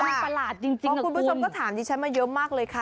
ค่ะข้าวมันประหลาดจริงกับคุณคุณผู้ชมก็ถามจริงมาเยอะมากเลยค่ะ